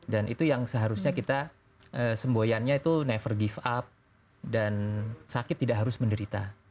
dan itu yang seharusnya kita semboyannya itu never give up dan sakit tidak harus menderita